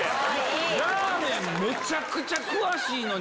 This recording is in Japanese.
ラーメンめちゃくちゃ詳しいのに。